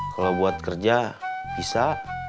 kalau buat kerja bisa